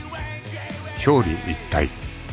［表裏一体］